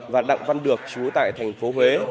và đặng văn được chú tại thành phố huế